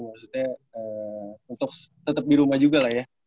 maksudnya untuk tetep di rumah juga lah ya